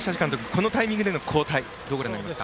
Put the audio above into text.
このタイミングでの交代どうご覧になりますか？